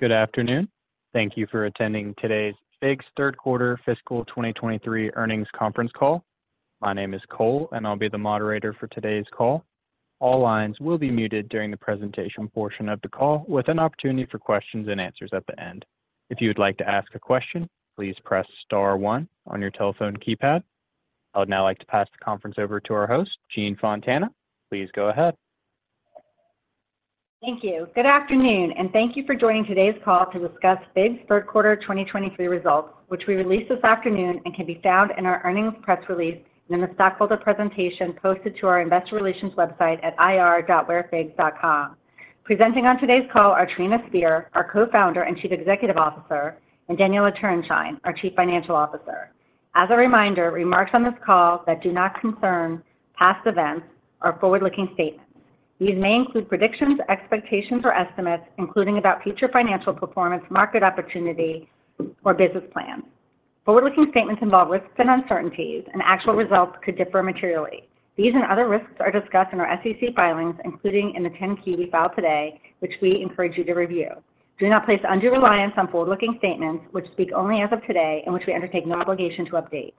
Good afternoon. Thank you for attending today's FIGS' third quarter fiscal 2023 earnings conference call. My name is Cole, and I'll be the operator for today's call. All lines will be muted during the presentation portion of the call, with an opportunity for questions and answers at the end. If you would like to ask a question, please press star one on your telephone keypad. I would now like to pass the conference over to our host, Jean Fontana. Please go ahead. Thank you. Good afternoon, and thank you for joining today's call to discuss FIGS' third quarter 2023 results, which we released this afternoon and can be found in our earnings press release and in the stockholder presentation posted to our investor relations website at ir.wearfigs.com. Presenting on today's call are Trina Spear, our Co-Founder and Chief Executive Officer, and Daniella Turenshine, our Chief Financial Officer. As a reminder, remarks on this call that do not concern past events are forward-looking statements. These may include predictions, expectations, or estimates, including about future financial performance, market opportunity, or business plans. Forward-looking statements involve risks and uncertainties, and actual results could differ materially. These and other risks are discussed in our SEC filings, including in the 10-Q we filed today, which we encourage you to review. Do not place undue reliance on forward-looking statements, which speak only as of today and which we undertake no obligation to update.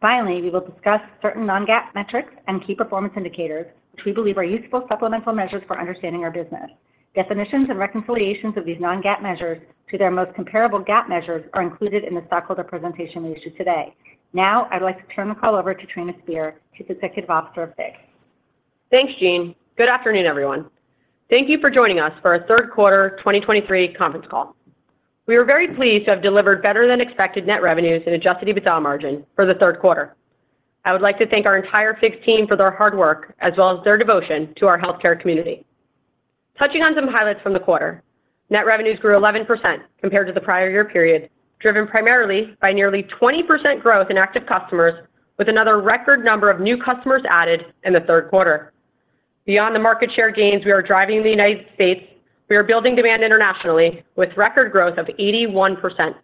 Finally, we will discuss certain non-GAAP metrics and key performance indicators, which we believe are useful supplemental measures for understanding our business. Definitions and reconciliations of these non-GAAP measures to their most comparable GAAP measures are included in the stockholder presentation we issued today. Now, I'd like to turn the call over to Trina Spear, Chief Executive Officer of FIGS. Thanks, Jean. Good afternoon, everyone. Thank you for joining us for our third quarter 2023 conference call. We are very pleased to have delivered better-than-expected net revenues and Adjusted EBITDA margin for the third quarter. I would like to thank our entire FIGS team for their hard work, as well as their devotion to our healthcare community. Touching on some highlights from the quarter, net revenues grew 11% compared to the prior year period, driven primarily by nearly 20% growth in active customers, with another record number of new customers added in the third quarter. Beyond the market share gains we are driving in the United States, we are building demand internationally with record growth of 81%.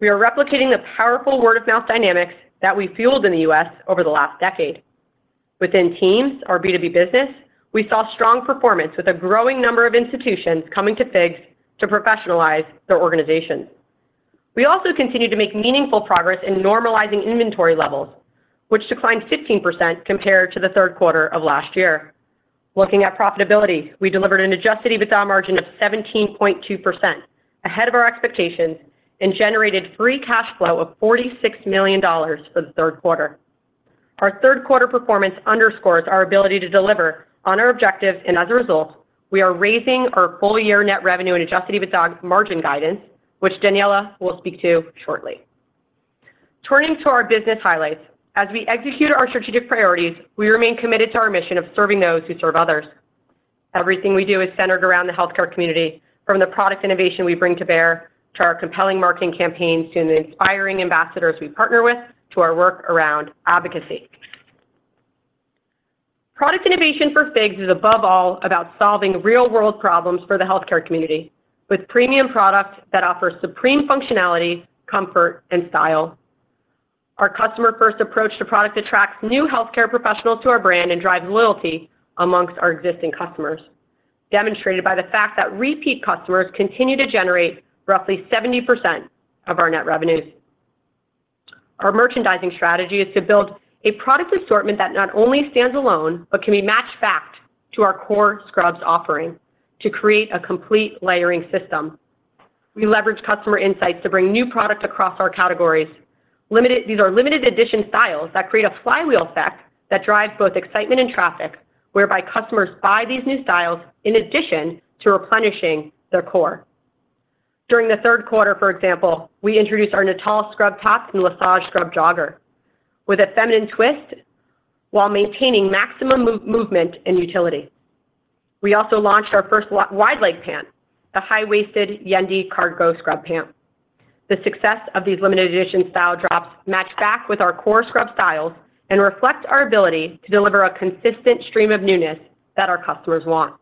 We are replicating the powerful word-of-mouth dynamics that we fueled in the U.S. over the last decade. Within TEAMS, our B2B business, we saw strong performance with a growing number of institutions coming to FIGS to professionalize their organizations. We also continued to make meaningful progress in normalizing inventory levels, which declined 15% compared to the third quarter of last year. Looking at profitability, we delivered an Adjusted EBITDA margin of 17.2%, ahead of our expectations, and generated free cash flow of $46 million for the third quarter. Our third quarter performance underscores our ability to deliver on our objectives, and as a result, we are raising our full year net revenue and Adjusted EBITDA margin guidance, which Daniella will speak to shortly. Turning to our business highlights, as we execute our strategic priorities, we remain committed to our mission of serving those who serve others. Everything we do is centered around the healthcare community, from the product innovation we bring to bear, to our compelling marketing campaigns, to the inspiring ambassadors we partner with, to our work around advocacy. Product innovation for FIGS is above all about solving real-world problems for the healthcare community, with premium product that offers supreme functionality, comfort, and style. Our customer-first approach to product attracts new healthcare professionals to our brand and drives loyalty among our existing customers, demonstrated by the fact that repeat customers continue to generate roughly 70% of our net revenues. Our merchandising strategy is to build a product assortment that not only stands alone, but can be matched back to our core scrubs offering to create a complete layering system. We leverage customer insights to bring new products across our categories. These are limited edition styles that create a flywheel effect that drives both excitement and traffic, whereby customers buy these new styles in addition to replenishing their core. During the third quarter, for example, we introduced our Natal scrub tops and Lesage scrub jogger, with a feminine twist while maintaining maximum movement and utility. We also launched our first wide-leg pant, the high-waisted Yendi cargo scrub pant. The success of these limited edition style drops match back with our core scrub styles and reflect our ability to deliver a consistent stream of newness that our customers want.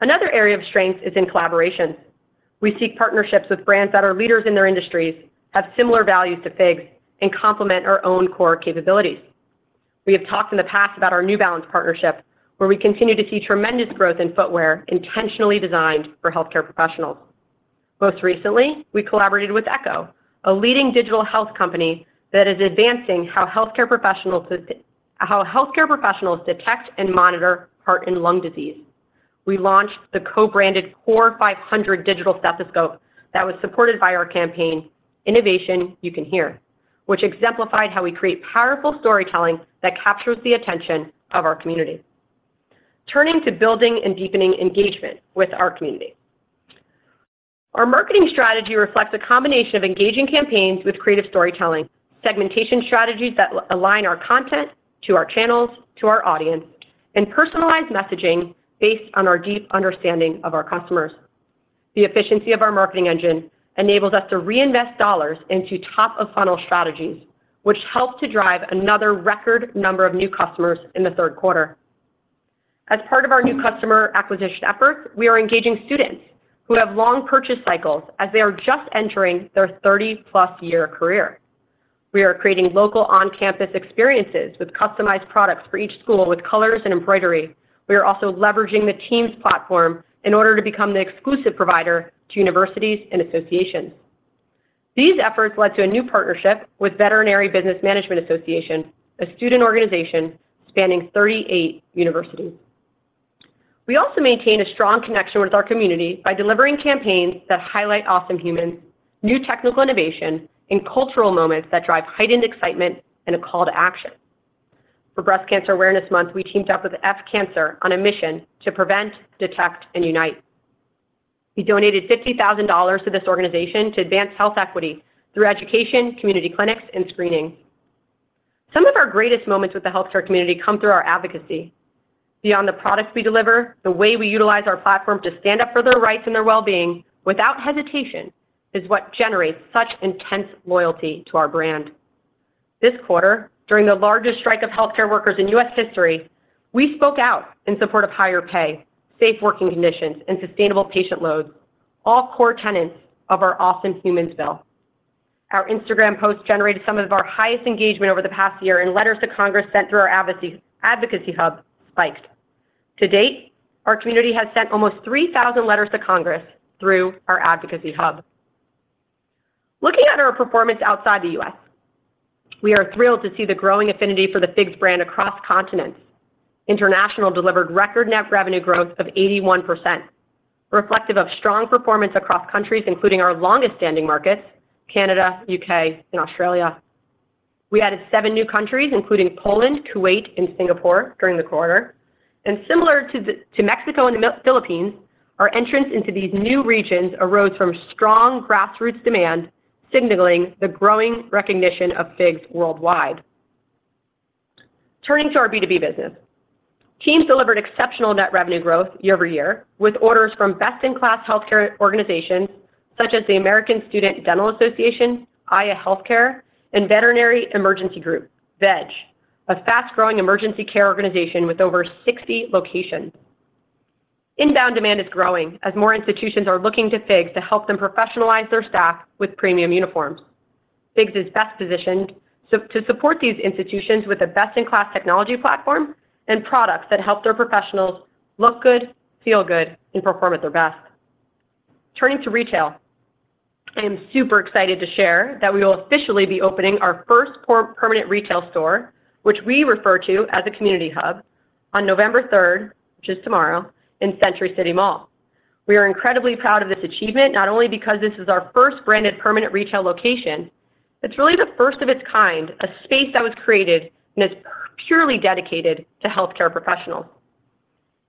Another area of strength is in collaborations. We seek partnerships with brands that are leaders in their industries, have similar values to FIGS, and complement our own core capabilities. We have talked in the past about our New Balance partnership, where we continue to see tremendous growth in footwear intentionally designed for healthcare professionals. Most recently, we collaborated with Eko, a leading digital health company that is advancing how healthcare professionals detect and monitor heart and lung disease. We launched the co-branded CORE 500 digital stethoscope that was supported by our campaign, Innovation You Can Hear, which exemplified how we create powerful storytelling that captures the attention of our community. Turning to building and deepening engagement with our community. Our marketing strategy reflects a combination of engaging campaigns with creative storytelling, segmentation strategies that align our content to our channels, to our audience, and personalized messaging based on our deep understanding of our customers. The efficiency of our marketing engine enables us to reinvest dollars into top-of-funnel strategies, which helped to drive another record number of new customers in the third quarter. As part of our new customer acquisition efforts, we are engaging students who have long purchase cycles as they are just entering their 30+ year career.... We are creating local on-campus experiences with customized products for each school, with colors and embroidery. We are also leveraging the TEAMS platform in order to become the exclusive provider to universities and associations. These efforts led to a new partnership with Veterinary Business Management Association, a student organization spanning 38 universities. We also maintain a strong connection with our community by delivering campaigns that highlight awesome humans, new technical innovation, and cultural moments that drive heightened excitement and a call to action. For Breast Cancer Awareness Month, we teamed up with F Cancer on a mission to prevent, detect, and unite. We donated $50,000 to this organization to advance health equity through education, community clinics, and screening. Some of our greatest moments with the healthcare community come through our advocacy. Beyond the products we deliver, the way we utilize our platform to stand up for their rights and their well-being, without hesitation, is what generates such intense loyalty to our brand. This quarter, during the largest strike of healthcare workers in U.S. history, we spoke out in support of higher pay, safe working conditions, and sustainable patient loads, all core tenets of our Awesome Humans Bill. Our Instagram posts generated some of our highest engagement over the past year, and letters to Congress sent through our advocacy, advocacy hub spiked. To date, our community has sent almost 3,000 letters to Congress through our advocacy hub. Looking at our performance outside the U.S., we are thrilled to see the growing affinity for the FIGS brand across continents. International delivered record net revenue growth of 81%, reflective of strong performance across countries, including our longest-standing markets, Canada, U.K., and Australia. We added seven new countries, including Poland, Kuwait, and Singapore, during the quarter. And similar to Mexico and the Philippines, our entrance into these new regions arose from strong grassroots demand, signaling the growing recognition of FIGS worldwide. Turning to our B2B business. TEAMS delivered exceptional net revenue growth year-over-year, with orders from best-in-class healthcare organizations such as the American Student Dental Association, Aya Healthcare, and Veterinary Emergency Group, VEG, a fast-growing emergency care organization with over 60 locations. Inbound demand is growing as more institutions are looking to FIGS to help them professionalize their staff with premium uniforms. FIGS is best positioned to support these institutions with a best-in-class technology platform and products that help their professionals look good, feel good, and perform at their best. Turning to retail, I am super excited to share that we will officially be opening our first permanent retail store, which we refer to as a Community Hub, on November 3rd, which is tomorrow, in Century City Mall. We are incredibly proud of this achievement, not only because this is our first branded permanent retail location, it's really the first of its kind, a space that was created and is purely dedicated to healthcare professionals.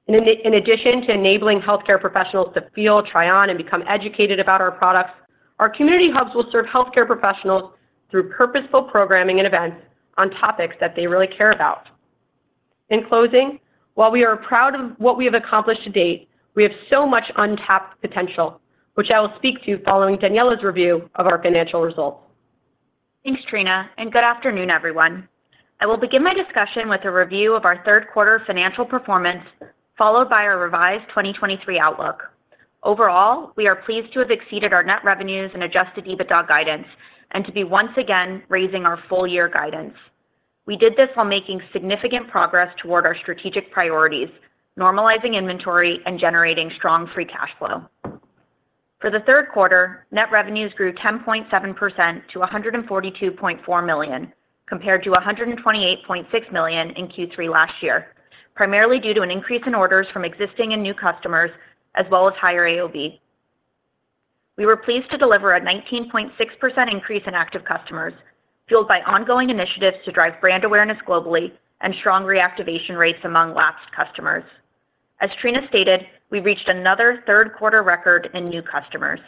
In addition to enabling healthcare professionals to feel, try on, and become educated about our products, Community Hubs will serve healthcare professionals through purposeful programming and events on topics that they really care about. In closing, while we are proud of what we have accomplished to date, we have so much untapped potential, which I will speak to following Daniella's review of our financial results. Thanks, Trina, and good afternoon, everyone. I will begin my discussion with a review of our third quarter financial performance, followed by our revised 2023 outlook. Overall, we are pleased to have exceeded our net revenues and Adjusted EBITDA guidance and to be once again raising our full-year guidance. We did this while making significant progress toward our strategic priorities, normalizing inventory and generating strong free cash flow. For the third quarter, net revenues grew 10.7% to $142.4 million, compared to $128.6 million in Q3 last year, primarily due to an increase in orders from existing and new customers, as well as higher AOV. We were pleased to deliver a 19.6% increase in active customers, fueled by ongoing initiatives to drive brand awareness globally and strong reactivation rates among lapsed customers. As Trina stated, we reached another third quarter record in new customers.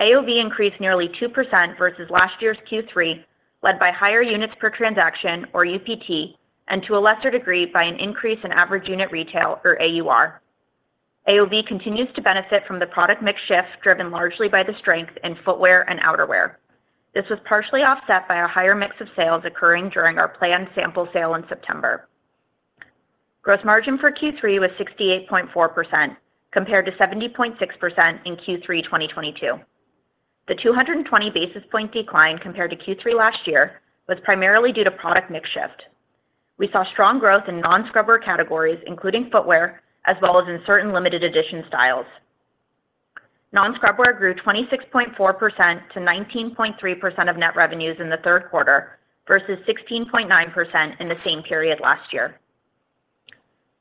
AOV increased nearly 2% versus last year's Q3, led by higher units per transaction, or UPT, and to a lesser degree, by an increase in average unit retail, or AUR. AOV continues to benefit from the product mix shift, driven largely by the strength in footwear and outerwear. This was partially offset by a higher mix of sales occurring during our planned sample sale in September. Gross margin for Q3 was 68.4%, compared to 70.6% in Q3 2022. The 220 basis point decline compared to Q3 last year, was primarily due to product mix shift. We saw strong growth in non-scrubwear categories, including footwear, as well as in certain limited edition styles. Non-scrubwear grew 26.4% to 19.3% of net revenues in the third quarter, versus 16.9% in the same period last year.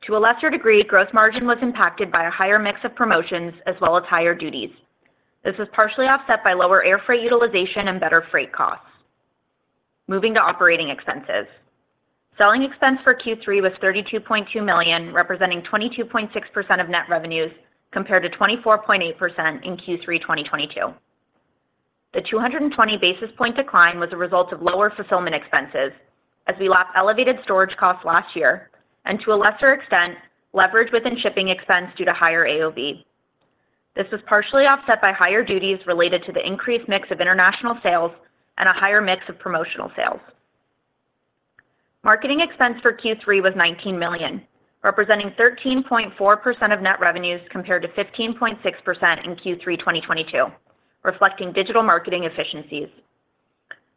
To a lesser degree, gross margin was impacted by a higher mix of promotions as well as higher duties. This was partially offset by lower air freight utilization and better freight costs. Moving to operating expenses. Selling expense for Q3 was $32.2 million, representing 22.6% of net revenues, compared to 24.8% in Q3 2022. The 220 basis point decline was a result of lower fulfillment expenses as we lacked elevated storage costs last year, and to a lesser extent, leverage within shipping expense due to higher AOV. This was partially offset by higher duties related to the increased mix of international sales and a higher mix of promotional sales. Marketing expense for Q3 was $19 million, representing 13.4% of net revenues compared to 15.6% in Q3 2022, reflecting digital marketing efficiencies.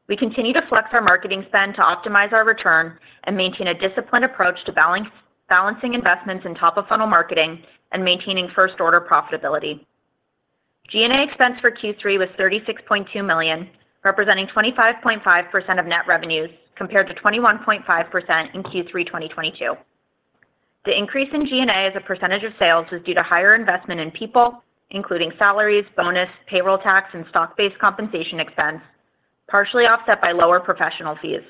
We continue to flex our marketing spend to optimize our return and maintain a disciplined approach to balance, balancing investments in top-of-funnel marketing and maintaining first-order profitability. G&A expense for Q3 was $36.2 million, representing 25.5% of net revenues, compared to 21.5% in Q3 2022. The increase in G&A as a percentage of sales was due to higher investment in people, including salaries, bonus, payroll tax, and stock-based compensation expense, partially offset by lower professional fees.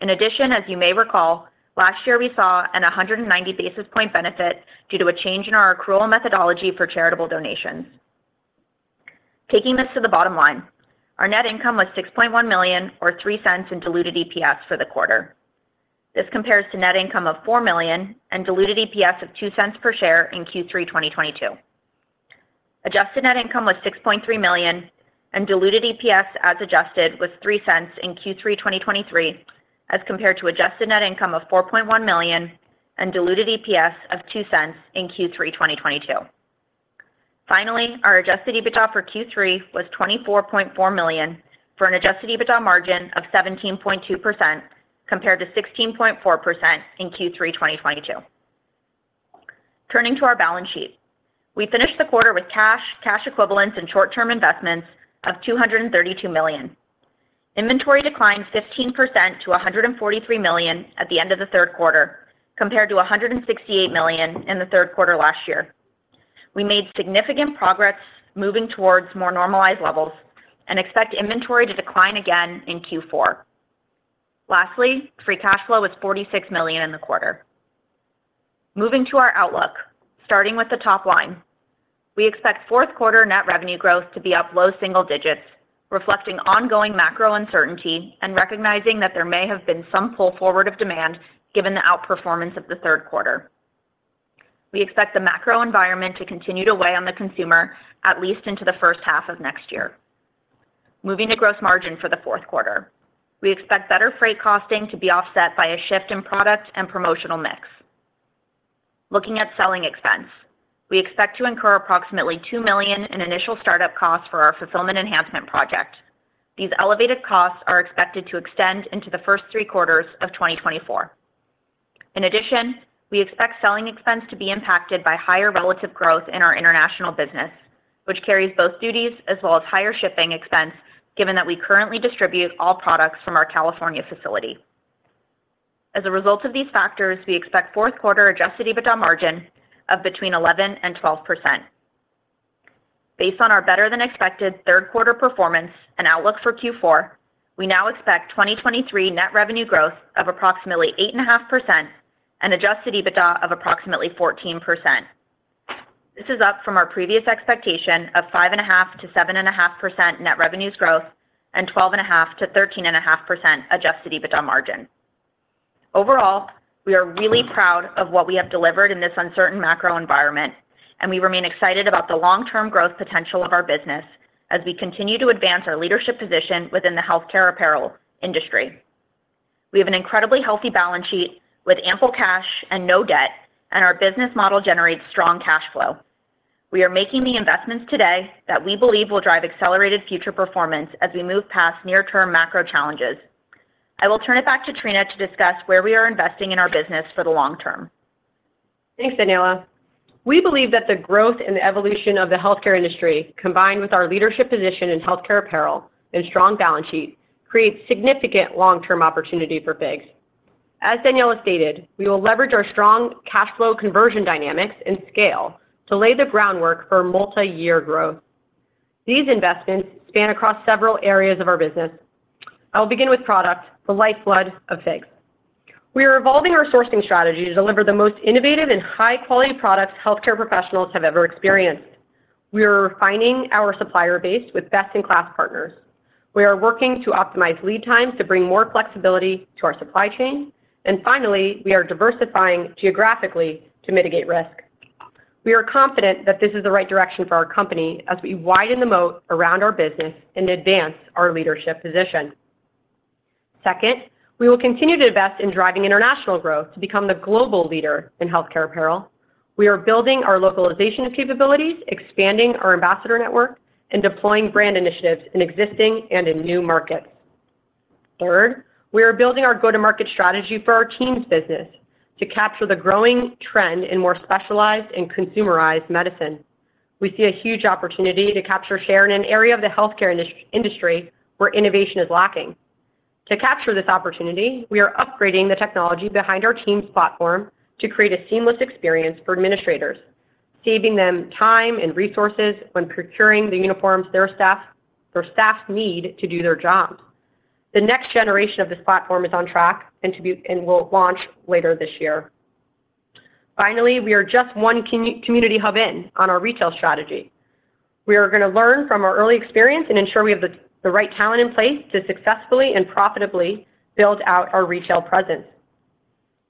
In addition, as you may recall, last year, we saw a 190 basis point benefit due to a change in our accrual methodology for charitable donations. Taking this to the bottom line, our net income was $6.1 million, or $0.03 in diluted EPS for the quarter. This compares to net income of $4 million and diluted EPS of $0.02 per share in Q3 2022. Adjusted net income was $6.3 million and diluted EPS, as adjusted, was $0.03 in Q3 2023, as compared to adjusted net income of $4.1 million and diluted EPS of $0.02 in Q3 2022. Finally, our Adjusted EBITDA for Q3 was $24.4 million, for an Adjusted EBITDA margin of 17.2%, compared to 16.4% in Q3 2022. Turning to our balance sheet, we finished the quarter with cash, cash equivalents, and short-term investments of $232 million. Inventory declined 15% to $143 million at the end of the third quarter, compared to $168 million in the third quarter last year. We made significant progress moving towards more normalized levels and expect inventory to decline again in Q4. Lastly, free cash flow was $46 million in the quarter. Moving to our outlook, starting with the top line, we expect fourth quarter net revenue growth to be up low single digits, reflecting ongoing macro uncertainty and recognizing that there may have been some pull forward of demand, given the outperformance of the third quarter. We expect the macro environment to continue to weigh on the consumer, at least into the first half of next year. Moving to gross margin for the fourth quarter, we expect better freight costing to be offset by a shift in product and promotional mix. Looking at selling expense, we expect to incur approximately $2 million in initial startup costs for our fulfillment enhancement project. These elevated costs are expected to extend into the first three quarters of 2024. In addition, we expect selling expense to be impacted by higher relative growth in our international business, which carries both duties as well as higher shipping expense, given that we currently distribute all products from our California facility. As a result of these factors, we expect fourth quarter Adjusted EBITDA margin of between 11% and 12%. Based on our better-than-expected third quarter performance and outlook for Q4, we now expect 2023 net revenue growth of approximately 8.5% and Adjusted EBITDA of approximately 14%. This is up from our previous expectation of 5.5%-7.5% net revenues growth and 12.5%-13.5% Adjusted EBITDA margin. Overall, we are really proud of what we have delivered in this uncertain macro environment, and we remain excited about the long-term growth potential of our business as we continue to advance our leadership position within the healthcare apparel industry. We have an incredibly healthy balance sheet with ample cash and no debt, and our business model generates strong cash flow. We are making the investments today that we believe will drive accelerated future performance as we move past near-term macro challenges. I will turn it back to Trina to discuss where we are investing in our business for the long term. Thanks, Daniella. We believe that the growth and the evolution of the healthcare industry, combined with our leadership position in healthcare apparel and strong balance sheet, creates significant long-term opportunity for FIGS. As Daniella stated, we will leverage our strong cash flow conversion dynamics and scale to lay the groundwork for multi-year growth. These investments span across several areas of our business. I will begin with product, the lifeblood of FIGS. We are evolving our sourcing strategy to deliver the most innovative and high-quality products healthcare professionals have ever experienced. We are refining our supplier base with best-in-class partners. We are working to optimize lead times to bring more flexibility to our supply chain, and finally, we are diversifying geographically to mitigate risk. We are confident that this is the right direction for our company as we widen the moat around our business and advance our leadership position. Second, we will continue to invest in driving international growth to become the global leader in healthcare apparel. We are building our localization capabilities, expanding our ambassador network, and deploying brand initiatives in existing and in new markets. Third, we are building our go-to-market strategy for our TEAMS business to capture the growing trend in more specialized and consumerized medicine. We see a huge opportunity to capture share in an area of the healthcare industry where innovation is lacking. To capture this opportunity, we are upgrading the technology behind our TEAMS platform to create a seamless experience for administrators, saving them time and resources when procuring the uniforms their staff need to do their jobs. The next generation of this platform is on track and will launch later this year. Finally, we are just one Community Hub in on our retail strategy. We are going to learn from our early experience and ensure we have the right talent in place to successfully and profitably build out our retail presence.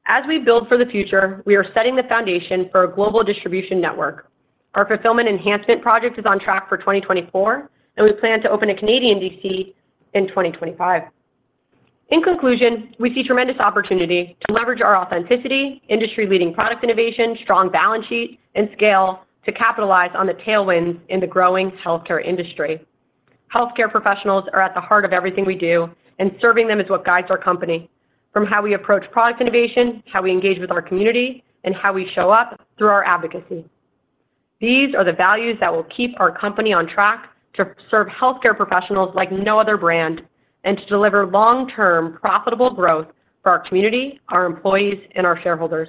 As we build for the future, we are setting the foundation for a global distribution network. Our fulfillment enhancement project is on track for 2024, and we plan to open a Canadian DC in 2025. In conclusion, we see tremendous opportunity to leverage our authenticity, industry-leading product innovation, strong balance sheet, and scale to capitalize on the tailwinds in the growing healthcare industry. Healthcare professionals are at the heart of everything we do, and serving them is what guides our company, from how we approach product innovation, how we engage with our community, and how we show up through our advocacy. These are the values that will keep our company on track to serve healthcare professionals like no other brand and to deliver long-term profitable growth for our community, our employees, and our shareholders.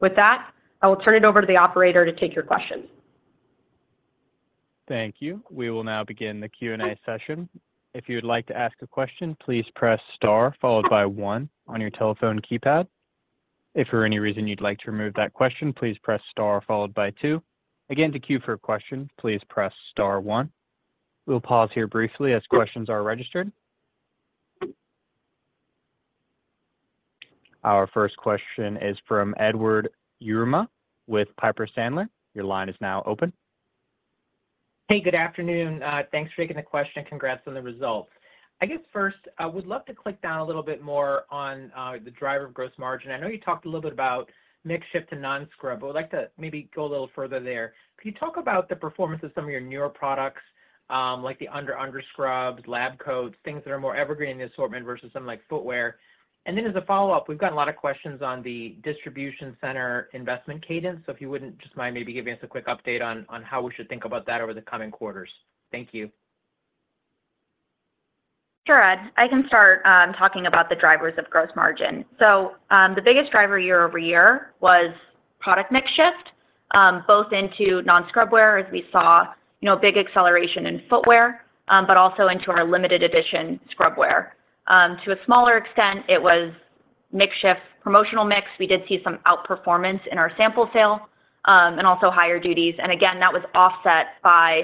With that, I will turn it over to the operator to take your questions. Thank you. We will now begin the Q&A session. If you would like to ask a question, please press star followed by one on your telephone keypad. If for any reason you'd like to remove that question, please press star followed by two. Again, to queue for a question, please press star one. We'll pause here briefly as questions are registered. Our first question is from Edward Yruma with Piper Sandler. Your line is now open. Hey, good afternoon. Thanks for taking the question, and congrats on the results. I guess first, I would love to drill down a little bit more on the driver of gross margin. I know you talked a little bit about mix shift to non-scrub, but I'd like to maybe go a little further there. Can you talk about the performance of some of your newer products, like the underscrubs, lab coats, things that are more evergreen in the assortment versus something like footwear? And then as a follow-up, we've gotten a lot of questions on the distribution center investment cadence. So if you wouldn't just mind maybe giving us a quick update on how we should think about that over the coming quarters. Thank you. Sure, Ed. I can start talking about the drivers of gross margin. The biggest driver year-over-year was product mix shift, both into non-scrubwear, as we saw, you know, big acceleration in footwear, but also into our limited edition scrubwear. To a smaller extent, it was mix shift, promotional mix. We did see some outperformance in our sample sale, and also higher duties. Again, that was offset by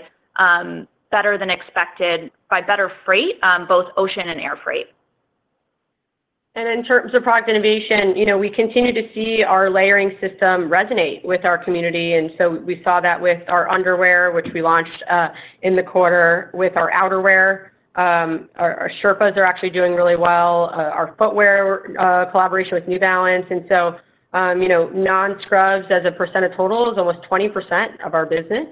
better than expected, by better freight, both ocean and air freight. In terms of product innovation, you know, we continue to see our layering system resonate with our community, and so we saw that with our underwear, which we launched, in the quarter with our outer wear. Our Sherpas are actually doing really well, our footwear collaboration with New Balance, and so, you know, non-scrubs as a percent of total is almost 20% of our business.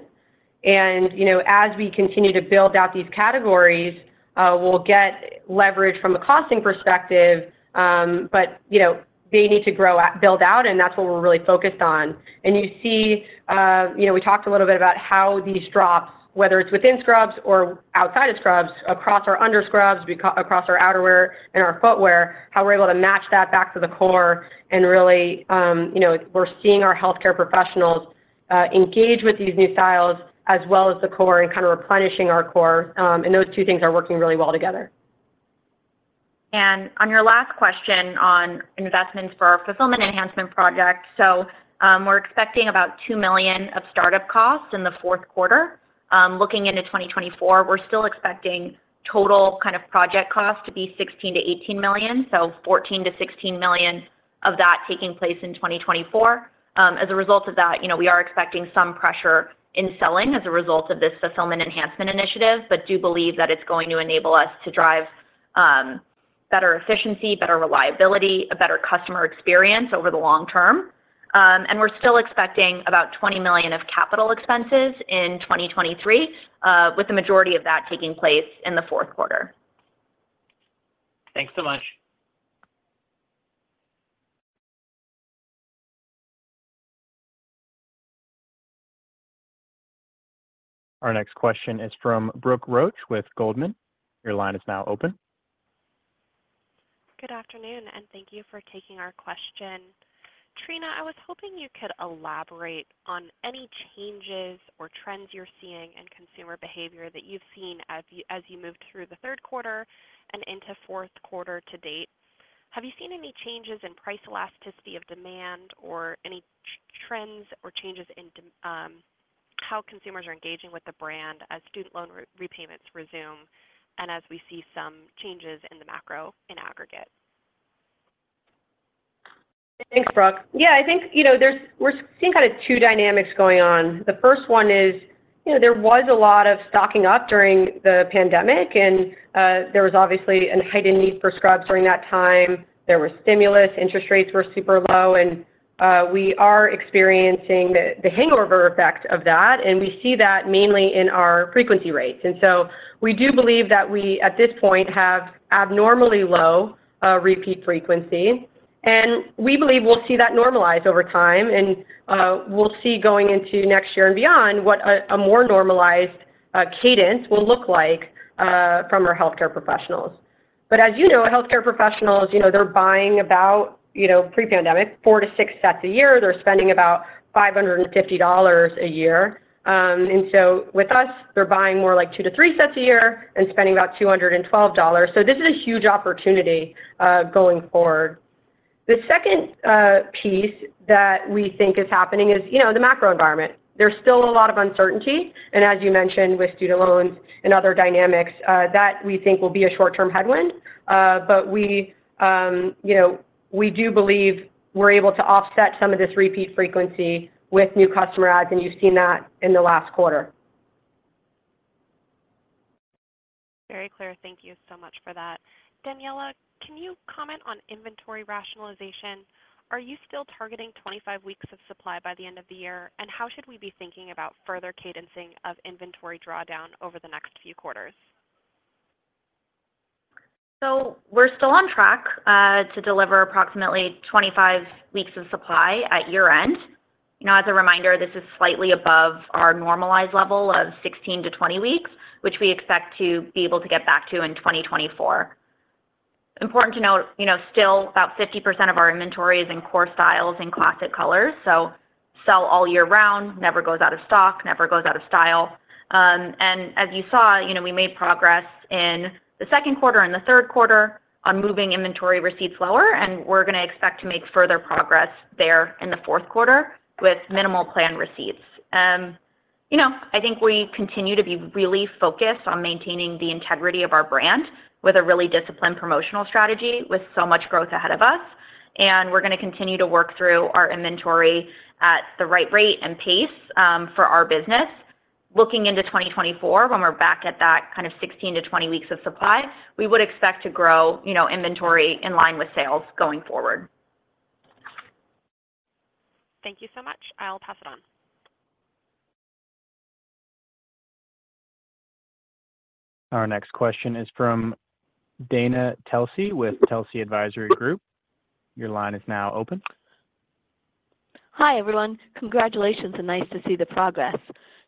You know, as we continue to build out these categories, we'll get leverage from a costing perspective, but, you know, they need to grow, build out, and that's what we're really focused on. You see, you know, we talked a little bit about how these drops, whether it's within scrubs or outside of scrubs, across our under scrubs, across our outer wear and our footwear, how we're able to match that back to the core and really, you know, we're seeing our healthcare professionals engage with these new styles as well as the core and kind of replenishing our core. And those two things are working really well together. On your last question on investments for our fulfillment enhancement project. So, we're expecting about $2 million of startup costs in the fourth quarter. Looking into 2024, we're still expecting total kind of project costs to be $16 million-$18 million, so $14 million-$16 million of that taking place in 2024. As a result of that, you know, we are expecting some pressure in selling as a result of this fulfillment enhancement initiative, but do believe that it's going to enable us to drive better efficiency, better reliability, a better customer experience over the long term. And we're still expecting about $20 million of capital expenses in 2023, with the majority of that taking place in the fourth quarter. Thanks so much. Our next question is from Brooke Roach with Goldman. Your line is now open. Good afternoon, and thank you for taking our question. Trina, I was hoping you could elaborate on any changes or trends you're seeing in consumer behavior that you've seen as you moved through the third quarter and into fourth quarter to date. Have you seen any changes in price elasticity of demand or any trends or changes in how consumers are engaging with the brand as student loan repayments resume and as we see some changes in the macro in aggregate? Thanks, Brooke. Yeah, I think, you know, there's, we're seeing kind of two dynamics going on. The first one is, you know, there was a lot of stocking up during the pandemic, and there was obviously a heightened need for scrubs during that time. There was stimulus, interest rates were super low, and we are experiencing the hangover effect of that, and we see that mainly in our frequency rates. And so we do believe that we, at this point, have abnormally low repeat frequency, and we believe we'll see that normalize over time. And we'll see going into next year and beyond what a more normalized cadence will look like from our healthcare professionals. But as you know, healthcare professionals, you know, they're buying about, you know, pre-pandemic, four-six sets a year. They're spending about $550 a year. And so with us, they're buying more like two-three sets a year and spending about $212. So this is a huge opportunity, going forward.... The second piece that we think is happening is, you know, the macro environment. There's still a lot of uncertainty, and as you mentioned, with student loans and other dynamics, that we think will be a short-term headwind. But we, you know, we do believe we're able to offset some of this repeat frequency with new customer adds, and you've seen that in the last quarter. Very clear. Thank you so much for that. Daniella, can you comment on inventory rationalization? Are you still targeting 25 weeks of supply by the end of the year? And how should we be thinking about further cadencing of inventory drawdown over the next few quarters? So we're still on track to deliver approximately 25 weeks of supply at year-end. Now, as a reminder, this is slightly above our normalized level of 16-20 weeks, which we expect to be able to get back to in 2024. Important to note, you know, still, about 50% of our inventory is in core styles and classic colors, so sell all year round, never goes out of stock, never goes out of style. And as you saw, you know, we made progress in the second quarter and the third quarter on moving inventory receipts lower, and we're going to expect to make further progress there in the fourth quarter with minimal plan receipts. You know, I think we continue to be really focused on maintaining the integrity of our brand with a really disciplined promotional strategy, with so much growth ahead of us. We're going to continue to work through our inventory at the right rate and pace for our business. Looking into 2024, when we're back at that kind of 16-20 weeks of supply, we would expect to grow, you know, inventory in line with sales going forward. Thank you so much. I'll pass it on. Our next question is from Dana Telsey with Telsey Advisory Group. Your line is now open. Hi, everyone. Congratulations, and nice to see the progress.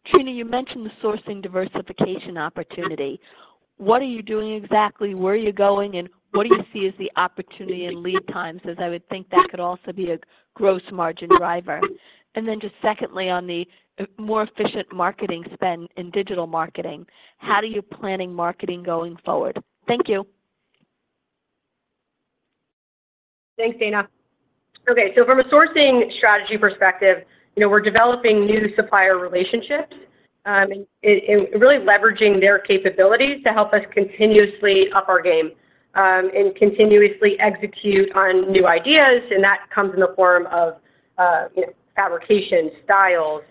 Trina, you mentioned the sourcing diversification opportunity. What are you doing exactly? Where are you going, and what do you see as the opportunity and lead times? As I would think that could also be a gross margin driver. And then just secondly, on the more efficient marketing spend in digital marketing, how are you planning marketing going forward? Thank you. Thanks, Dana. Okay, so from a sourcing strategy perspective, you know, we're developing new supplier relationships, and really leveraging their capabilities to help us continuously up our game, and continuously execute on new ideas, and that comes in the form of, you know, fabrication, styles,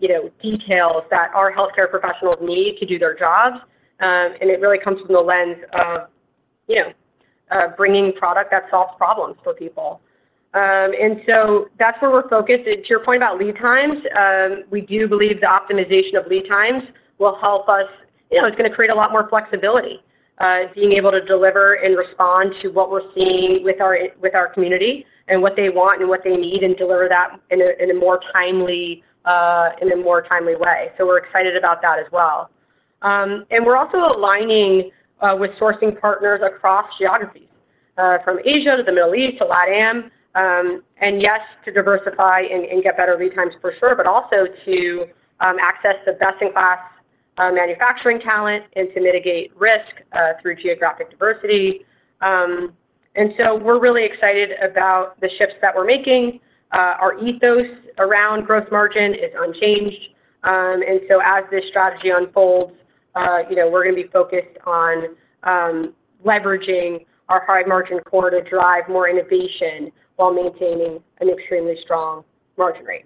you know, details that our healthcare professionals need to do their jobs. And it really comes from the lens of, you know, bringing product that solves problems for people. And so that's where we're focused. To your point about lead times, we do believe the optimization of lead times will help us... You know, it's going to create a lot more flexibility, being able to deliver and respond to what we're seeing with our community and what they want and what they need, and deliver that in a more timely way. So we're excited about that as well. And we're also aligning with sourcing partners across geographies, from Asia to the Middle East to LatAm, and yes, to diversify and get better lead times for sure, but also to access the best-in-class manufacturing talent and to mitigate risk through geographic diversity. And so we're really excited about the shifts that we're making. Our ethos around Gross Margin is unchanged. As this strategy unfolds, you know, we're going to be focused on leveraging our high margin core to drive more innovation while maintaining an extremely strong margin rate.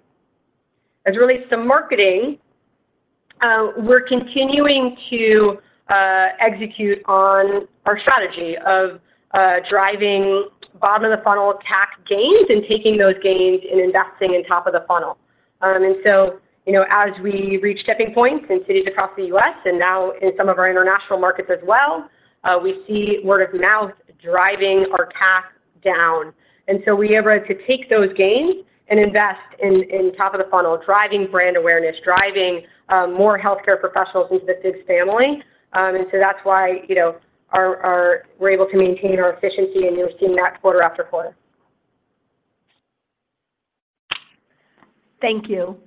As it relates to marketing, we're continuing to execute on our strategy of driving bottom of the funnel CAC gains and taking those gains and investing in top of the funnel. And so, you know, as we reach tipping points in cities across the U.S., and now in some of our international markets as well, we see word of mouth driving our CAC down, and so we have to take those gains and invest in top of the funnel, driving brand awareness, driving more healthcare professionals into the FIGS family. And so that's why, you know, we're able to maintain our efficiency, and you'll see that quarter after quarter. Thank you.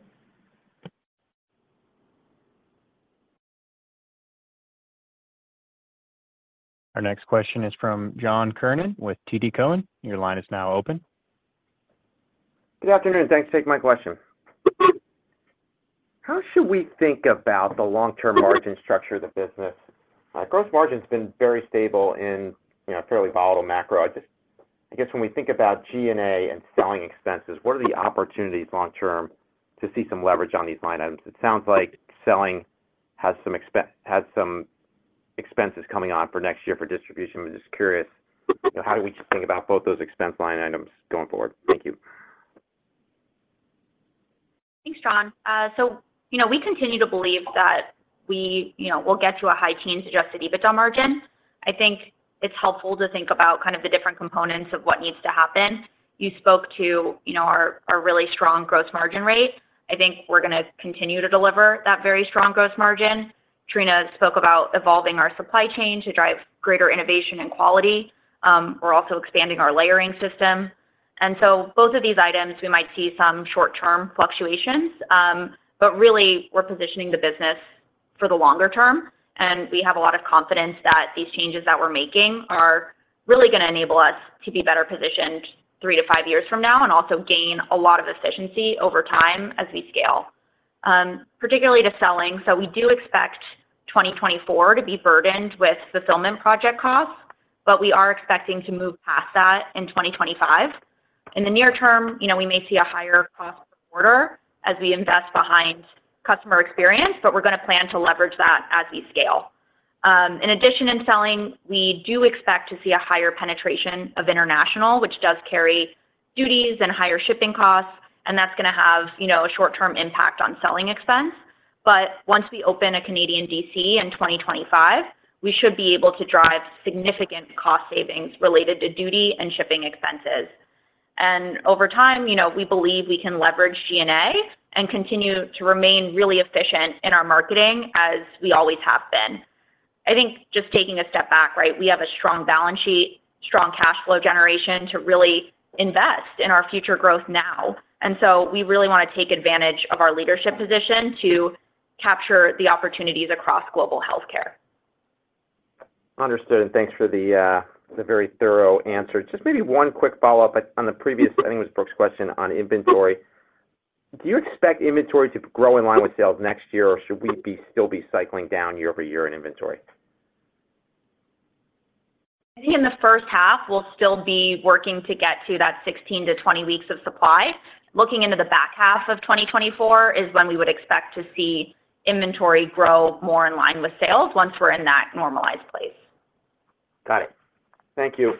Our next question is from John Kernan with TD Cowen. Your line is now open. Good afternoon, thanks for taking my question. How should we think about the long-term margin structure of the business? Gross margin's been very stable in, you know, a fairly volatile macro. I just... I guess, when we think about G&A and selling expenses, what are the opportunities long term to see some leverage on these line items? It sounds like selling has some expenses coming on for next year for distribution. I'm just curious, how do we think about both those expense line items going forward? Thank you. Thanks, John. So you know, we continue to believe that we, you know, will get to a high-teen Adjusted EBITDA margin. I think it's helpful to think about kind of the different components of what needs to happen. You spoke to, you know, our, our really strong gross margin rate. I think we're going to continue to deliver that very strong gross margin. Trina spoke about evolving our supply chain to drive greater innovation and quality. We're also expanding our layering system, and so both of these items, we might see some short-term fluctuations. But really, we're positioning the business for the longer term, and we have a lot of confidence that these changes that we're making are really gonna enable us to be better positioned three to five years from now, and also gain a lot of efficiency over time as we scale. Particularly to selling, so we do expect 2024 to be burdened with fulfillment project costs, but we are expecting to move past that in 2025. In the near term, you know, we may see a higher cost per quarter as we invest behind customer experience, but we're gonna plan to leverage that as we scale. In addition, in selling, we do expect to see a higher penetration of international, which does carry duties and higher shipping costs, and that's gonna have, you know, a short-term impact on selling expense. But once we open a Canadian DC in 2025, we should be able to drive significant cost savings related to duty and shipping expenses. And over time, you know, we believe we can leverage G&A and continue to remain really efficient in our marketing as we always have been. I think just taking a step back, right? We have a strong balance sheet, strong cash flow generation to really invest in our future growth now. So we really wanna take advantage of our leadership position to capture the opportunities across global healthcare. Understood, and thanks for the very thorough answer. Just maybe one quick follow-up on the previous, I think it was Brooke's question on inventory. Do you expect inventory to grow in line with sales next year, or should we still be cycling down year-over-year in inventory? I think in the first half, we'll still be working to get to that 16-20 weeks of supply. Looking into the back half of 2024 is when we would expect to see inventory grow more in line with sales once we're in that normalized place. Got it. Thank you.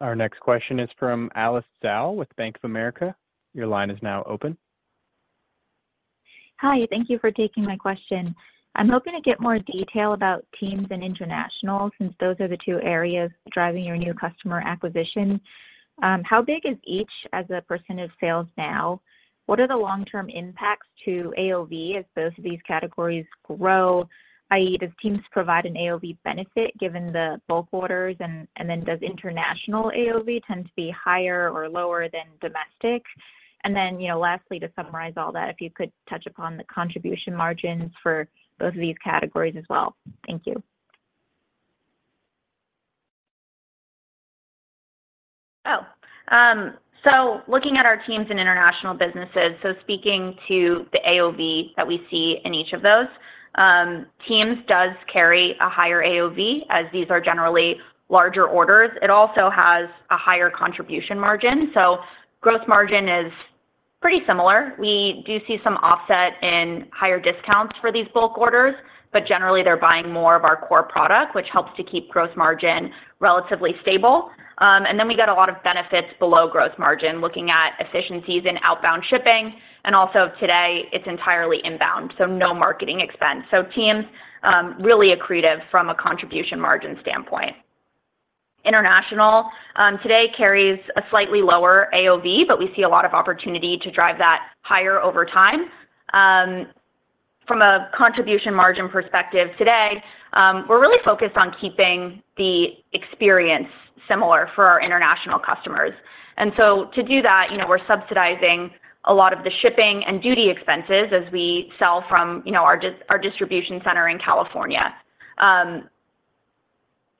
Our next question is from Alice Xiao with Bank of America. Your line is now open. Hi, thank you for taking my question. I'm hoping to get more detail about TEAMS and international, since those are the two areas driving your new customer acquisition. How big is each as a percent of sales now? What are the long-term impacts to AOV as both of these categories grow? I.e., does TEAMS provide an AOV benefit, given the bulk orders, and, and then does international AOV tend to be higher or lower than domestic? And then, you know, lastly, to summarize all that, if you could touch upon the contribution margins for both of these categories as well. Thank you. So looking at our TEAMS and international businesses, speaking to the AOV that we see in each of those, TEAMS does carry a higher AOV, as these are generally larger orders. It also has a higher contribution margin, so gross margin is pretty similar. We do see some offset in higher discounts for these bulk orders, but generally they're buying more of our core product, which helps to keep gross margin relatively stable. And then we get a lot of benefits below gross margin, looking at efficiencies in outbound shipping, and also today, it's entirely inbound, so no marketing expense. So TEAMS really accretive from a contribution margin standpoint. International today carries a slightly lower AOV, but we see a lot of opportunity to drive that higher over time. From a contribution margin perspective today, we're really focused on keeping the experience similar for our international customers. And so to do that, you know, we're subsidizing a lot of the shipping and duty expenses as we sell from, you know, our distribution center in California.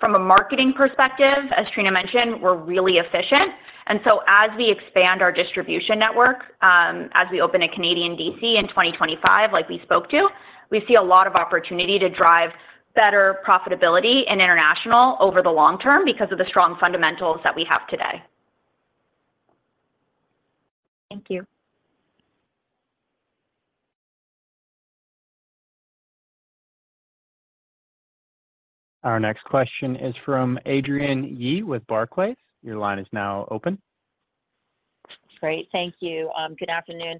From a marketing perspective, as Trina mentioned, we're really efficient. And so as we expand our distribution network, as we open a Canadian DC in 2025, like we spoke to, we see a lot of opportunity to drive better profitability in international over the long term because of the strong fundamentals that we have today. Thank you. Our next question is from Adrienne Yih with Barclays. Your line is now open. Great. Thank you. Good afternoon.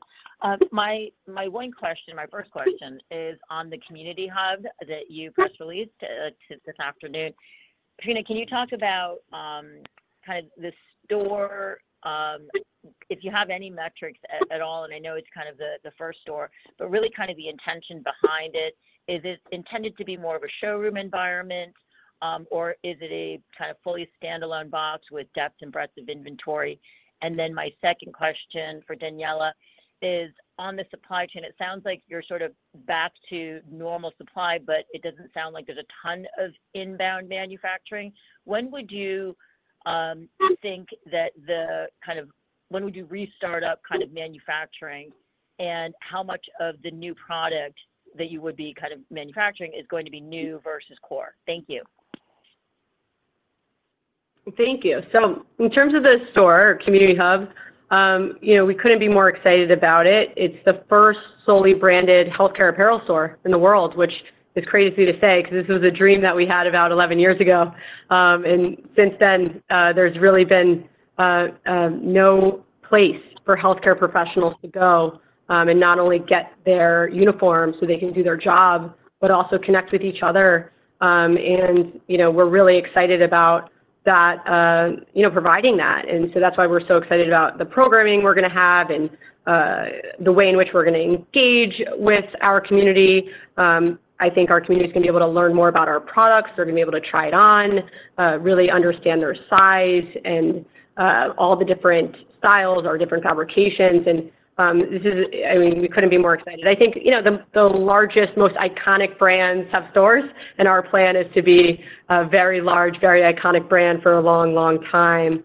My one question, my first question is on the Community Hub that you just released this afternoon. Trina, can you talk about kind of the store, if you have any metrics at all, and I know it's kind of the first store, but really kind of the intention behind it. Is it intended to be more of a showroom environment, or is it a kind of fully standalone box with depth and breadth of inventory? And then my second question for Daniella is, on the supply chain, it sounds like you're sort of back to normal supply, but it doesn't sound like there's a ton of inbound manufacturing. When would you restart up kind of manufacturing, and how much of the new product that you would be kind of manufacturing is going to be new versus core? Thank you. Thank you. So in terms of the store, Community Hub, you know, we couldn't be more excited about it. It's the first solely branded healthcare apparel store in the world, which is crazy to say, because this was a dream that we had about 11 years ago. And since then, there's really been no place for healthcare professionals to go, and not only get their uniforms so they can do their job, but also connect with each other. And, you know, we're really excited about that, you know, providing that. And so that's why we're so excited about the programming we're gonna have and the way in which we're gonna engage with our community. I think our community is gonna be able to learn more about our products. They're gonna be able to try it on, really understand their size and, all the different styles or different fabrications. And, this is, I mean, we couldn't be more excited. I think, you know, the, the largest, most iconic brands have stores, and our plan is to be a very large, very iconic brand for a long, long time.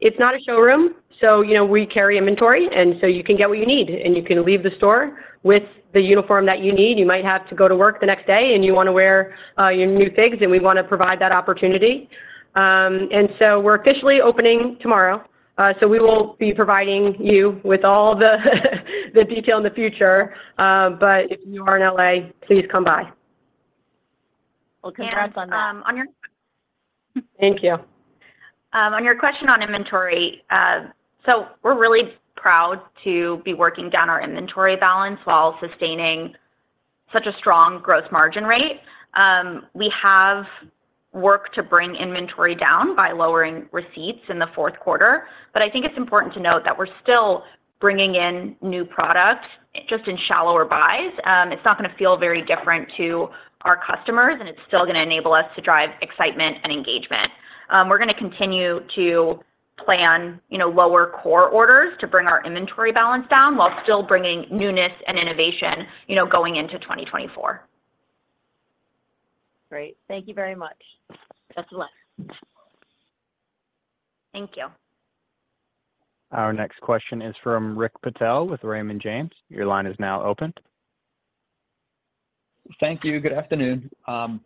It's not a showroom, so, you know, we carry inventory, and so you can get what you need, and you can leave the store with the uniform that you need. You might have to go to work the next day, and you wanna wear, your new FIGS, and we wanna provide that opportunity. And so we're officially opening tomorrow, so we will be providing you with all the, the detail in the future. But if you are in L.A., please come by. Well, congrats on that. And, on your- Thank you. On your question on inventory, so we're really proud to be working down our inventory balance while sustaining such a strong gross margin rate. We have worked to bring inventory down by lowering receipts in the fourth quarter, but I think it's important to note that we're still bringing in new products, just in shallower buys. It's not gonna feel very different to our customers, and it's still gonna enable us to drive excitement and engagement. We're gonna continue to plan, you know, lower core orders to bring our inventory balance down while still bringing newness and innovation, you know, going into 2024. Great. Thank you very much. Best of luck. Thank you. Our next question is from Rick Patel with Raymond James. Your line is now open. Thank you. Good afternoon. I'm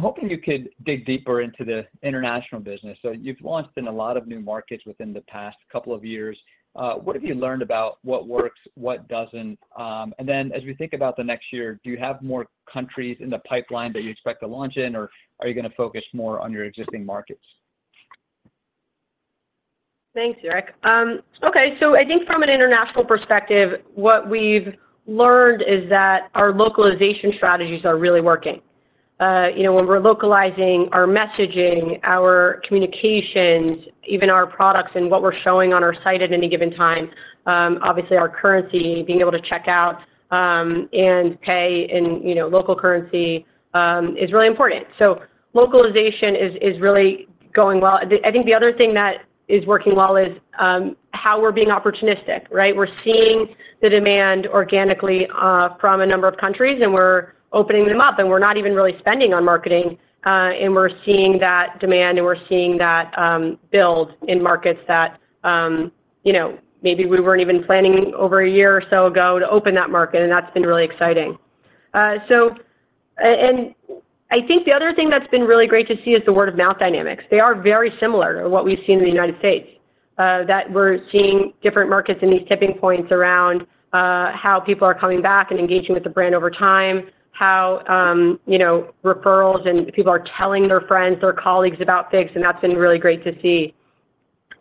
hoping you could dig deeper into the international business. So you've launched in a lot of new markets within the past couple of years. What have you learned about what works, what doesn't? And then as we think about the next year, do you have more countries in the pipeline that you expect to launch in, or are you gonna focus more on your existing markets? Thanks, Rick. Okay, so I think from an international perspective, what we've learned is that our localization strategies are really working. You know, when we're localizing our messaging, our communications, even our products and what we're showing on our site at any given time, obviously, our currency, being able to check out and pay in, you know, local currency, is really important. So localization is really going well. I think the other thing that is working well is how we're being opportunistic, right? We're seeing the demand organically from a number of countries, and we're opening them up, and we're not even really spending on marketing, and we're seeing that demand, and we're seeing that build in markets that, you know, maybe we weren't even planning over a year or so ago to open that market, and that's been really exciting. So, and I think the other thing that's been really great to see is the word-of-mouth dynamics. They are very similar to what we've seen in the United States, that we're seeing different markets in these tipping points around how people are coming back and engaging with the brand over time, how, you know, referrals and people are telling their friends or colleagues about FIGS, and that's been really great to see.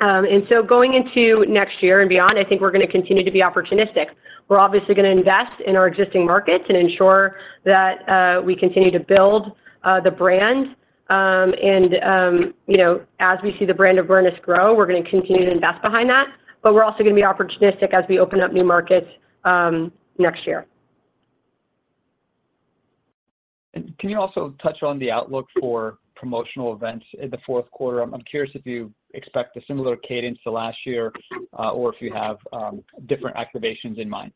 Going into next year and beyond, I think we're gonna continue to be opportunistic. We're obviously gonna invest in our existing markets and ensure that we continue to build the brand. You know, as we see the brand awareness grow, we're gonna continue to invest behind that, but we're also gonna be opportunistic as we open up new markets next year. Can you also touch on the outlook for promotional events in the fourth quarter? I'm curious if you expect a similar cadence to last year, or if you have different activations in mind.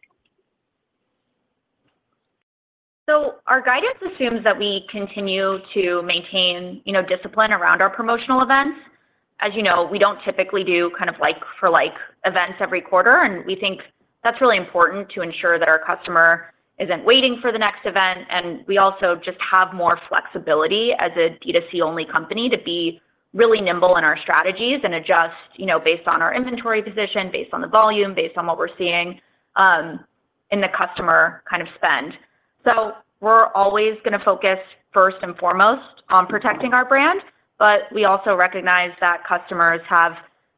So our guidance assumes that we continue to maintain, you know, discipline around our promotional events. As you know, we don't typically do kind of like for like events every quarter, and we think that's really important to ensure that our customer isn't waiting for the next event. We also just have more flexibility as a D2C-only company to be really nimble in our strategies and adjust, you know, based on our inventory position, based on the volume, based on what we're seeing in the customer kind of spend. So we're always gonna focus first and foremost on protecting our brand, but we also recognize that customers have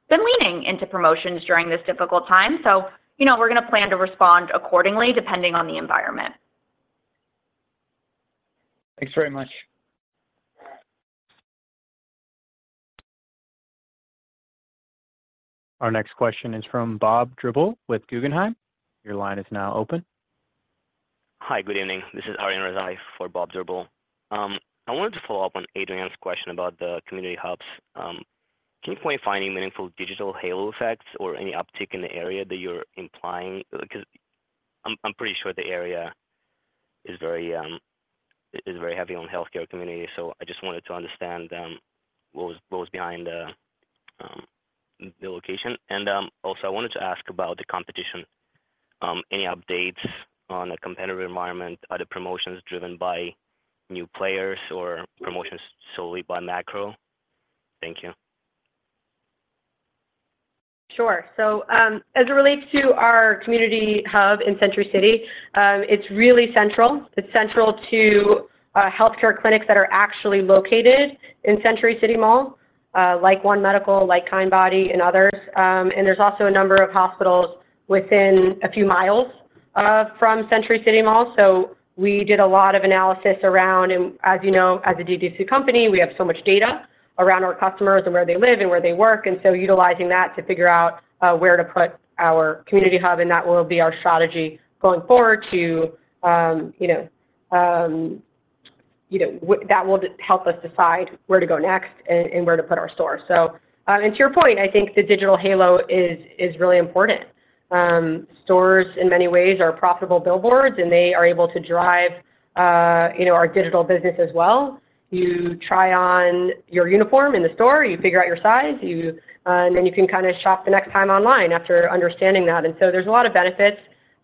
been leaning into promotions during this difficult time, so, you know, we're gonna plan to respond accordingly, depending on the environment. Thanks very much. Our next question is from Bob Drbul with Guggenheim. Your line is now open. Hi, good evening. This is Arian Razai for Bob Drbul. I wanted to follow up on Adrienne's question about Community Hubs. can you point finding meaningful digital halo effects or any uptick in the area that you're implying? Because I'm pretty sure the area is very heavy on healthcare community, so I just wanted to understand what was behind the location. And also, I wanted to ask about the competition. Any updates on the competitive environment? Are the promotions driven by new players or promotions solely by macro? Thank you. Sure. So, as it relates to our Community Hub in Century City, it's really central. It's central to, healthcare clinics that are actually located in Century City Mall, like One Medical, like Kindbody and others. And there's also a number of hospitals within a few miles from Century City Mall. So we did a lot of analysis around, and as you know, as a D2C company, we have so much data around our customers and where they live and where they work, and so utilizing that to figure out, where to put our Community Hub, and that will be our strategy going forward to, you know, you know, that will help us decide where to go next and where to put our store. So, and to your point, I think the digital halo is really important. Stores, in many ways, are profitable billboards, and they are able to drive, you know, our digital business as well. You try on your uniform in the store, you figure out your size, you and then you can kind of shop the next time online after understanding that. And so there's a lot of benefits.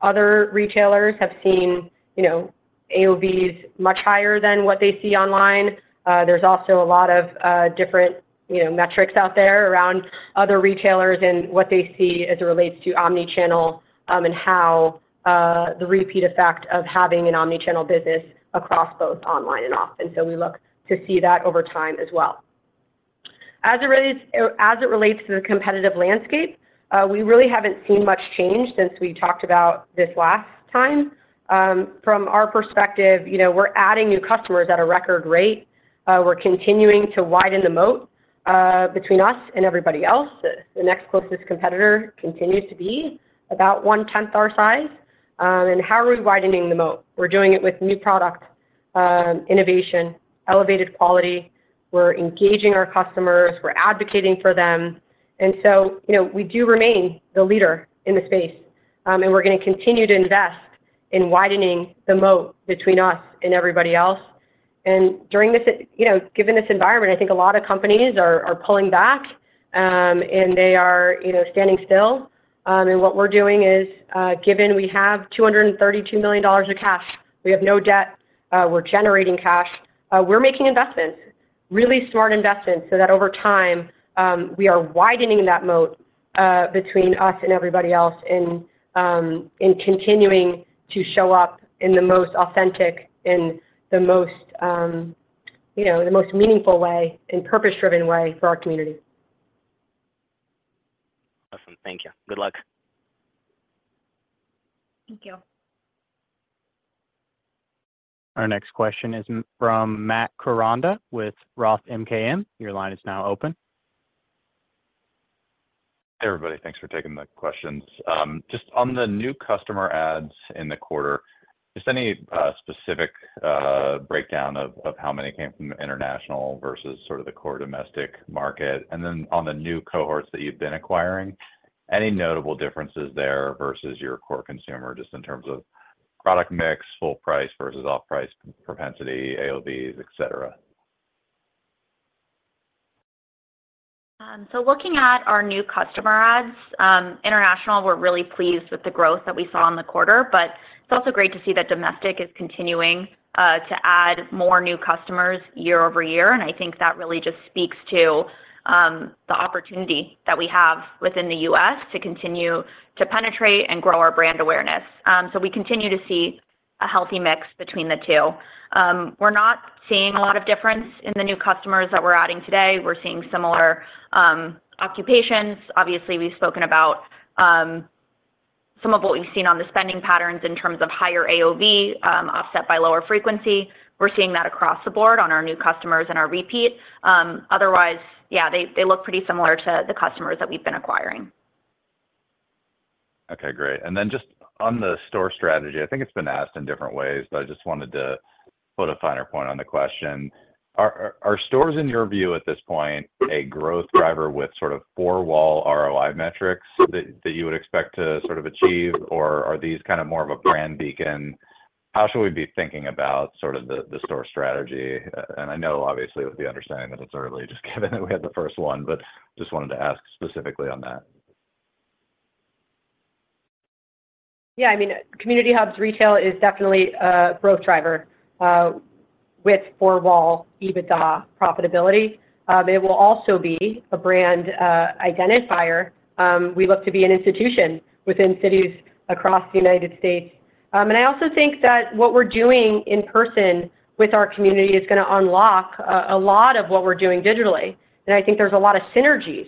Other retailers have seen, you know, AOVs much higher than what they see online. There's also a lot of different, you know, metrics out there around other retailers and what they see as it relates to omni-channel, and how the repeat effect of having an omni-channel business across both online and off. And so we look to see that over time as well. As it relates, as it relates to the competitive landscape, we really haven't seen much change since we talked about this last time. From our perspective, you know, we're adding new customers at a record rate. We're continuing to widen the moat between us and everybody else. The next closest competitor continues to be about 1/10 our size. And how are we widening the moat? We're doing it with new product innovation, elevated quality. We're engaging our customers, we're advocating for them, and so, you know, we do remain the leader in the space. And we're gonna continue to invest in widening the moat between us and everybody else. And during this, you know, given this environment, I think a lot of companies are pulling back, and they are standing still. And what we're doing is, given we have $232 million of cash, we have no debt, we're generating cash, we're making investments, really smart investments, so that over time, we are widening that moat, between us and everybody else and, and continuing to show up in the most authentic and the most, you know, the most meaningful way and purpose-driven way for our community. Awesome. Thank you. Good luck. Thank you. Our next question is from Matt Koranda with Roth MKM. Your line is now open. Hey, everybody, thanks for taking the questions. Just on the new customer adds in the quarter, just any specific breakdown of how many came from international versus sort of the core domestic market? And then on the new cohorts that you've been acquiring, any notable differences there versus your core consumer, just in terms of product mix, full price versus off-price propensity, AOVs, et cetera? So looking at our new customer adds, international, we're really pleased with the growth that we saw in the quarter, but it's also great to see that domestic is continuing to add more new customers year-over-year, and I think that really just speaks to the opportunity that we have within the U.S. to continue to penetrate and grow our brand awareness. So we continue to see a healthy mix between the two. We're not seeing a lot of difference in the new customers that we're adding today. We're seeing similar occupations. Obviously, we've spoken about some of what we've seen on the spending patterns in terms of higher AOV, offset by lower frequency. We're seeing that across the board on our new customers and our repeat. Otherwise, yeah, they look pretty similar to the customers that we've been acquiring. Okay, great. And then just on the store strategy, I think it's been asked in different ways, but I just wanted to put a finer point on the question. Are stores, in your view, at this point, a growth driver with sort of four-wall ROI metrics that you would expect to sort of achieve, or are these kind of more of a brand beacon? How should we be thinking about sort of the store strategy? And I know, obviously, with the understanding that it's early, just given that we had the first one, but just wanted to ask specifically on that. Yeah, I Community Hubs retail is definitely a growth driver, with four-wall EBITDA profitability. It will also be a brand identifier. We look to be an institution within cities across the United States. And I also think that what we're doing in person with our community is gonna unlock a lot of what we're doing digitally. And I think there's a lot of synergies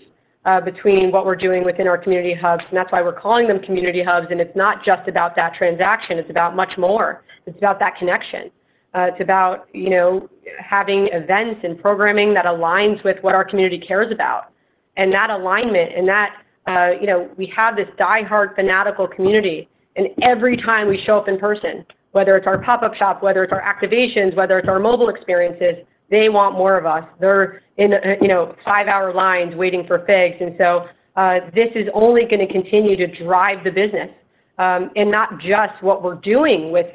between what we're doing within Community Hubs, and that's why we're calling Community Hubs, and it's not just about that transaction, it's about much more. It's about that connection. It's about, you know, having events and programming that aligns with what our community cares about. And that alignment and that... You know, we have this diehard, fanatical community, and every time we show up in person, whether it's our pop-up shop, whether it's our activations, whether it's our mobile experiences, they want more of us. They're in five-hour lines waiting for FIGS, and so, this is only gonna continue to drive the business, and not just what we're doing with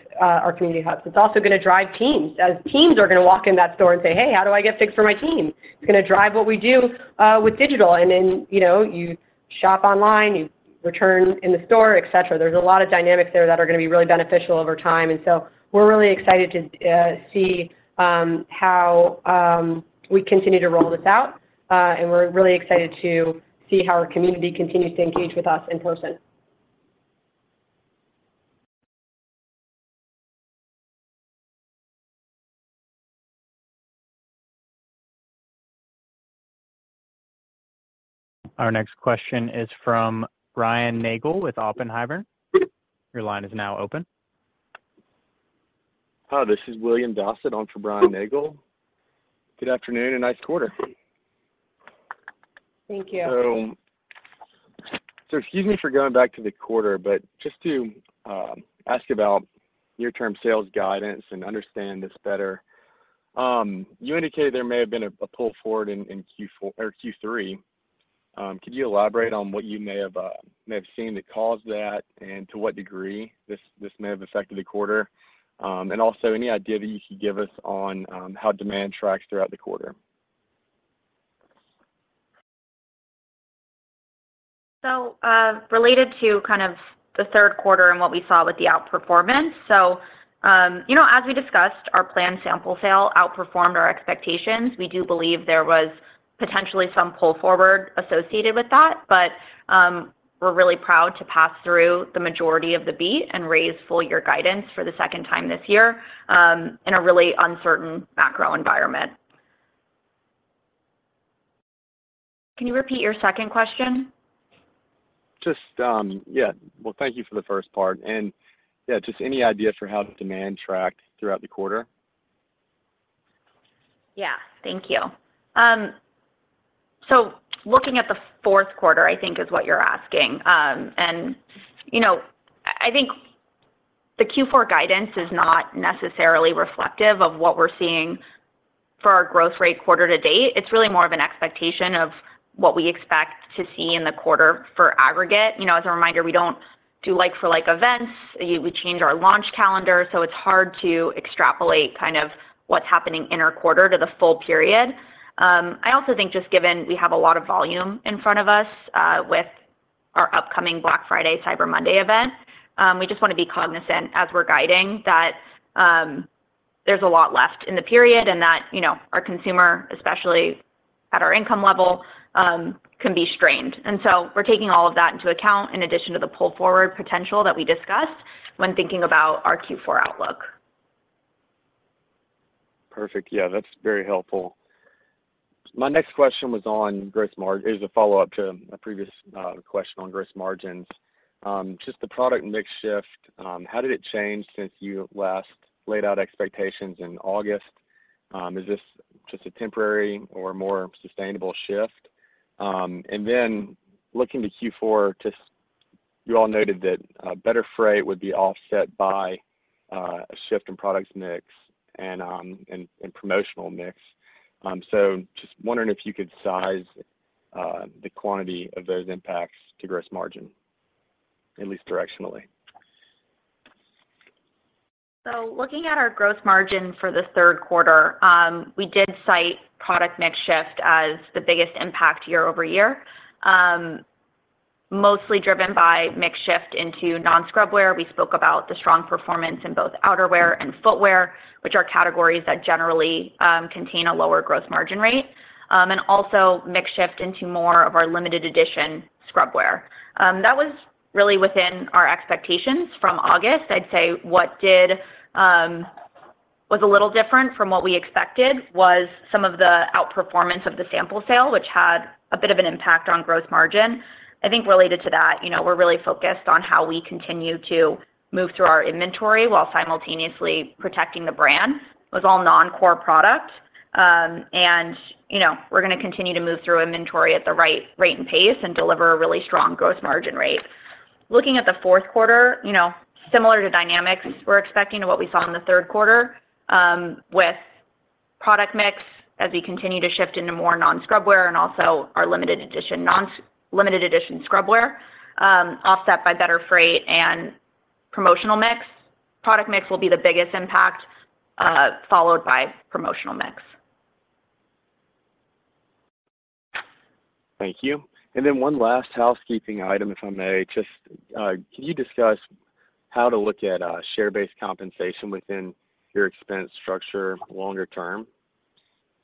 Community Hubs. it's also gonna drive TEAMS. TEAMS are gonna walk in that store and say, "Hey, how do I get FIGS for my team?" It's gonna drive what we do with digital. And then, you know, you shop online, you return in the store, et cetera. There's a lot of dynamics there that are gonna be really beneficial over time, and so we're really excited to see how we continue to roll this out, and we're really excited to see how our community continues to engage with us in person.... Our next question is from Brian Nagel with Oppenheimer. Your line is now open. Hi, this is William Dossett on for Brian Nagel. Good afternoon, and nice quarter. Thank you. So, excuse me for going back to the quarter, but just to ask about near-term sales guidance and understand this better, you indicated there may have been a pull forward in Q4 or Q3. Could you elaborate on what you may have seen that caused that, and to what degree this may have affected the quarter? And also, any idea that you could give us on how demand tracks throughout the quarter? So, related to kind of the third quarter and what we saw with the outperformance, so, you know, as we discussed, our planned sample sale outperformed our expectations. We do believe there was potentially some pull forward associated with that, but, we're really proud to pass through the majority of the beat and raise full year guidance for the second time this year, in a really uncertain macro environment. Can you repeat your second question? Just, yeah. Well, thank you for the first part. And yeah, just any idea for how demand tracked throughout the quarter? Yeah. Thank you. So looking at the fourth quarter, I think is what you're asking. And, you know, I think the Q4 guidance is not necessarily reflective of what we're seeing for our growth rate quarter to date. It's really more of an expectation of what we expect to see in the quarter for aggregate. You know, as a reminder, we don't do like-for-like events. We, we change our launch calendar, so it's hard to extrapolate kind of what's happening in our quarter to the full period. I also think just given we have a lot of volume in front of us, with our upcoming Black Friday/Cyber Monday event, we just wanna be cognizant as we're guiding that, there's a lot left in the period and that, you know, our consumer, especially at our income level, can be strained. And so we're taking all of that into account in addition to the pull forward potential that we discussed when thinking about our Q4 outlook. Perfect. Yeah, that's very helpful. My next question was on gross margins. It was a follow-up to a previous question on gross margins. Just the product mix shift, how did it change since you last laid out expectations in August? Is this just a temporary or more sustainable shift? And then looking to Q4, just you all noted that better freight would be offset by a shift in products mix and promotional mix. So just wondering if you could size the quantity of those impacts to gross margin, at least directionally. So looking at our gross margin for the third quarter, we did cite product mix shift as the biggest impact year-over-year. Mostly driven by mix shift into non-scrubwear. We spoke about the strong performance in both outerwear and footwear, which are categories that generally contain a lower gross margin rate. And also mix shift into more of our limited edition scrubwear. That was really within our expectations from August. I'd say what was a little different from what we expected was some of the outperformance of the sample sale, which had a bit of an impact on gross margin. I think related to that, you know, we're really focused on how we continue to move through our inventory while simultaneously protecting the brand. It was all non-core product, and, you know, we're gonna continue to move through inventory at the right rate and pace and deliver a really strong gross margin rate. Looking at the fourth quarter, you know, similar to dynamics, we're expecting what we saw in the third quarter, with product mix as we continue to shift into more non-scrubwear and also our limited edition, non-limited edition scrubwear, offset by better freight and promotional mix. Product mix will be the biggest impact, followed by promotional mix. Thank you. And then one last housekeeping item, if I may. Just, can you discuss how to look at share-based compensation within your expense structure longer term,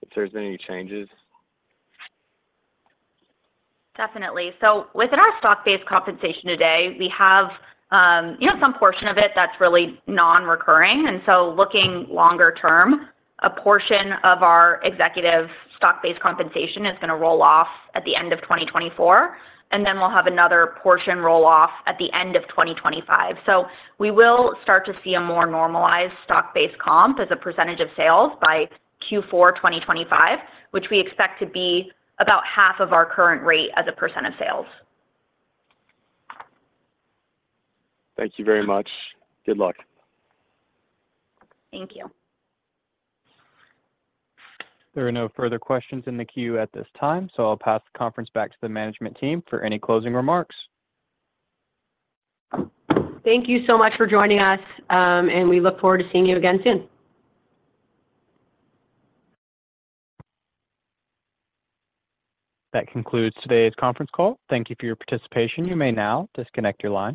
if there's been any changes? Definitely. So within our stock-based compensation today, we have, you know, some portion of it that's really non-recurring. And so looking longer term, a portion of our executive stock-based compensation is gonna roll off at the end of 2024, and then we'll have another portion roll off at the end of 2025. So we will start to see a more normalized stock-based comp as a percentage of sales by Q4 2025, which we expect to be about half of our current rate as a percent of sales. Thank you very much. Good luck. Thank you. There are no further questions in the queue at this time, so I'll pass the conference back to the management team for any closing remarks. Thank you so much for joining us, and we look forward to seeing you again soon. That concludes today's conference call. Thank you for your participation. You may now disconnect your line.